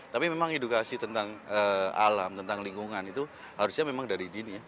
tapi memang edukasi tentang alam tentang lingkungan itu harusnya memang dari dini ya